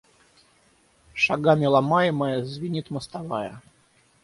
Шагами ломаемая, звенит мостовая.